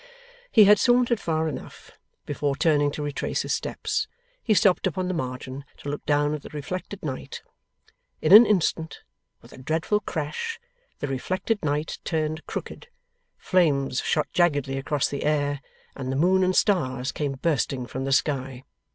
He had sauntered far enough. Before turning to retrace his steps, he stopped upon the margin, to look down at the reflected night. In an instant, with a dreadful crash, the reflected night turned crooked, flames shot jaggedly across the air, and the moon and stars came bursting from the sky.